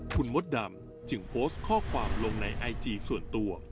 คุณมดดำจึงโพสต์ข้อความลงในไอจีส่วนตัว